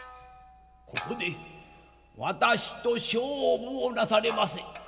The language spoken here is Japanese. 「ここで私と勝負をなされませ」。